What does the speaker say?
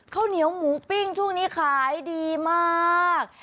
ข้าวเหนียวหมูปิ้งช่วงนี้ขายดีมาก